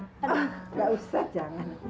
nggak usah jangan